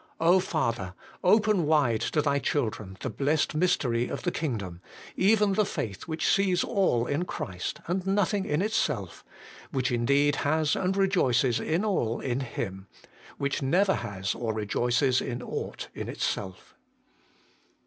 O Father ! open wide to Thy children the blessed mystery of the Kingdom, even the faith which sees all in Christ and nothing in itself ; which indeed has and rejoices in all in Him ; which never has or rejoices in ought in itself.